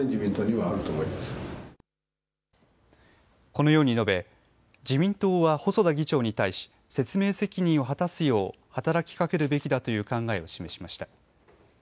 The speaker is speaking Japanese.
このように述べ自民党は細田議長に対し説明責任を果たすよう働きかけるべきだという考えを示しました。